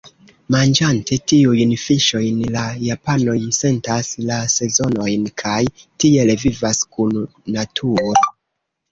Manĝante tiujn fiŝojn, la japanoj sentas la sezonojn kaj tiel vivas kun naturo.